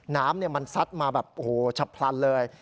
น้ำมันซัดมาแบบโอ้โหฉับพลันเลย